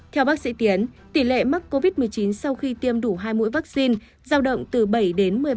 theo bác sĩ tiến tỷ lệ mắc covid một mươi chín sau khi tiêm đủ hai mũi vaccine giao động từ bảy đến một mươi bảy